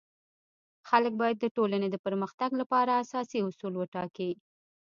خلک باید د ټولنی د پرمختګ لپاره اساسي اصول وټاکي.